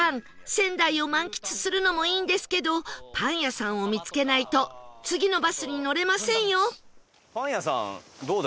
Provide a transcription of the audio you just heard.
仙台を満喫するのもいいんですけどパン屋さんを見つけないと次のバスに乗れませんよ